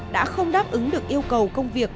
đã không đáp ứng được yêu cầu công việc